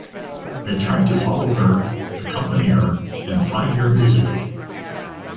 I tried to follow her, accompany her, and find her musically.